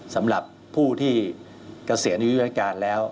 สำหรับผู้ที่เกษียณอายุราชการแล้ว